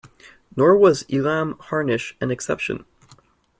Nor was Elam Harnish an exception.